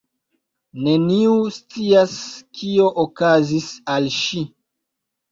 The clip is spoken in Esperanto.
Neniu scias kio okazis al ŝi